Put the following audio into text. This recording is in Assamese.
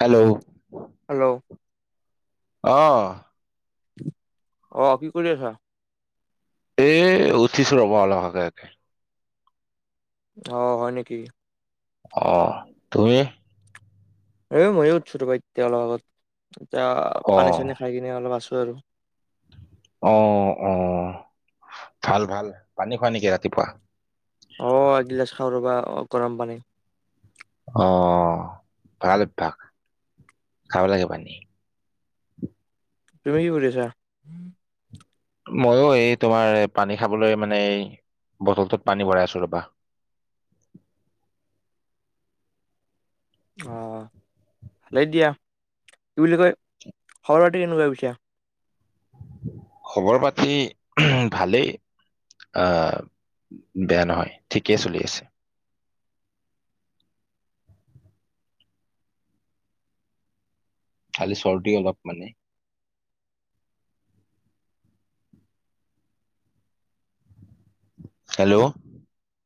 হেল্ল হেল্ল অঁ অঁ কি কৰি আছা? এ উঠিছো ৰবা অল আগে। অ হয় নেকি? অঁ, ‌ তুমি? এই ময়ো উঠছোঁ ৰবা এতিয়া অলপ আগত এতিয়া অ পানী চানী খাই কিনে অলপ আছো আৰু। অঁ অঁ ভাল ভাল, পানী খোৱা নেকি ৰাতিপুৱা? অঁ এগিলাচ খাওঁ ৰ'বা অ গৰম পানী। অ ভাল অভ্যাস খাব লাগে পানী। তুমি কি কৰি আছা? মইও এই তোমাৰ পানী খাবলৈ মানে এই বটলটোত পানী ভৰাই আছো ৰবা। অঁ হালেই দিয়া, কি বুলি কয়? ঘৰতে এনেকুৱা বুজিছা? খবৰ পাতি ভালেই। আহ, বেয়া নহয় ঠিকেই চলি আছে। খালি চৰ্দি অলপ মানে। হেল্ল'?